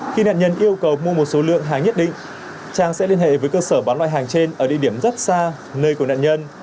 khi nạn nhân yêu cầu mua một số lượng hàng nhất định trang sẽ liên hệ với cơ sở bán loại hàng trên ở địa điểm rất xa nơi của nạn nhân